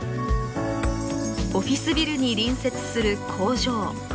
オフィスビルに隣接する工場。